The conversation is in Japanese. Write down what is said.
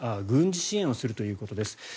軍事支援をするということです。